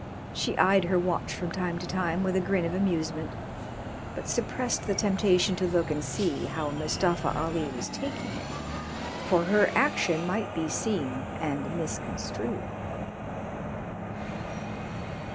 She eyed her watch from time to time with a grin of amusement, but suppressed the temptation to look and see how Mustafa Ali was taking it, for her action might be seen and misconstrued.